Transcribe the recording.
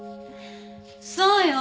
そうよ。